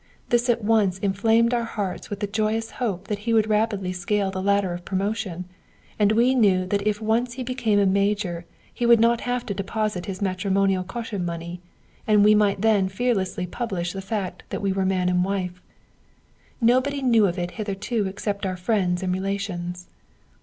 This at once inflamed our hearts with the joyous hope that he would rapidly scale the ladder of promotion, and we knew that if once he became a major he would not have to deposit his matrimonial caution money, and we might then fearlessly publish the fact that we were man and wife. Nobody knew of it hitherto except our friends and relations.